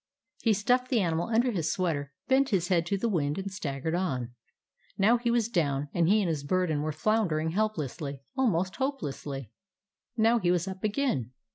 He stuffed the animal under his sweater, bent his head to the wind, and staggered on. Now he was down, and he and his burden were floundering helplessly, almost hopelessly. Now he was up again.